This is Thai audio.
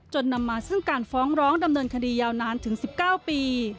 นำมาซึ่งการฟ้องร้องดำเนินคดียาวนานถึง๑๙ปี